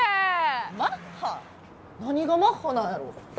何がマッハなんやろ？